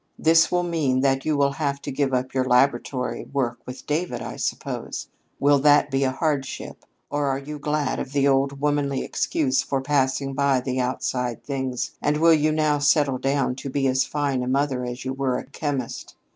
"This will mean that you will have to give up your laboratory work with David, I suppose. Will that be a hardship? Or are you glad of the old womanly excuse for passing by the outside things, and will you now settle down to be as fine a mother as you were a chemist?